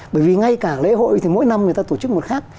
bởi vì ngay cả lễ hội thì mỗi năm người ta tổ chức một khác